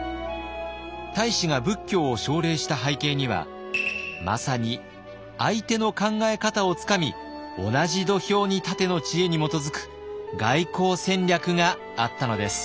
太子が仏教を奨励した背景にはまさに「相手の考え方をつかみ同じ土俵に立て」の知恵に基づく外交戦略があったのです。